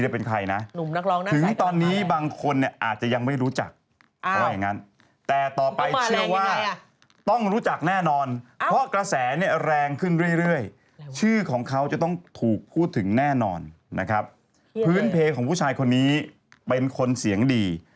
พื้นเพลงของผู้ชายคนนี้เป็นคนเสียงดี